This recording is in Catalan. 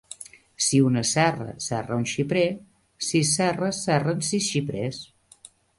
Si una serra serra un xiprer, sis serres serren sis xiprers.